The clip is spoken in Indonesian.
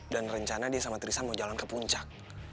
dan rencana dia sama tristan mau jalan ke puncak